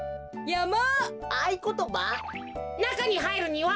やま。